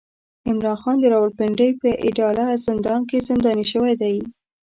عمران خان د راولپنډۍ په اډياله زندان کې زنداني شوی دی